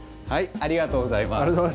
ありがとうございます。